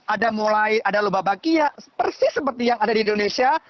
ada mulai ada loba bagia persis seperti yang ada di indonesia